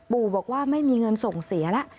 ปู่บอกว่าไม่มีเงินส่งเสียละ